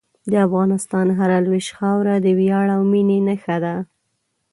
د افغانستان هره لویشت خاوره د ویاړ او مینې نښه ده.